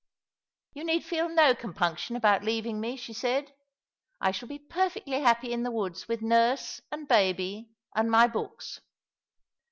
" Yon need feel no compnnction abont leaving me," she paid. " I shall be perfectly happy in the woods with nurse, and baby, and my books."